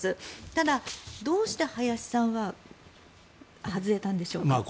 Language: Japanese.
ただ、どうして林さんは外れたんでしょうか？